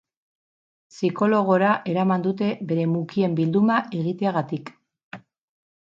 Psikologora eraman dute bere mukien bilduma egiteagatik.